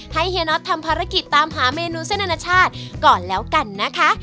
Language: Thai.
เฮียน็อตทำภารกิจตามหาเมนูเส้นอนาชาติก่อนแล้วกันนะคะ